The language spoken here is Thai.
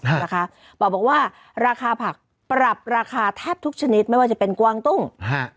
นะคะบอกว่าราคาผักปรับราคาแทบทุกชนิดไม่ว่าจะเป็นกวางตุ้งฮะ